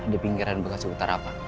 di pinggiran bekasi utara pak